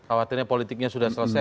khawatirnya politiknya sudah selesai